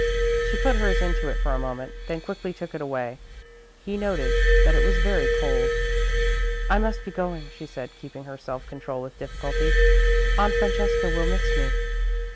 She put hers into it for a moment, then quickly took it away. He noted that it was very cold. "I must be going," she said, keeping her self control with difficulty, "Aunt Francesca will miss me."